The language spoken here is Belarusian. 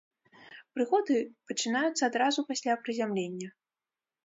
Прыгоды пачынаюцца адразу пасля прызямлення.